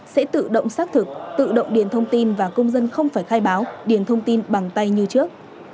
sẽ tự động xác thực tự động điền thông tin và công dân không phải khai báo điền thông tin bằng tay như trước